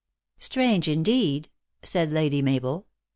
" Strange, indeed," said Lady Mabel.